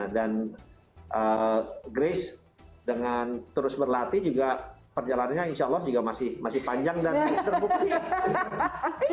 grace dengan terus berlatih juga perjalanannya insya allah juga masih panjang dan terbukti